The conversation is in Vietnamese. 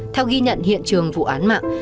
theo ghi nhận hiện trường vụ án mạng